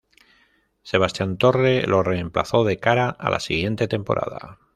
Sebastián Torre lo reemplazó de cara a la siguiente temporada.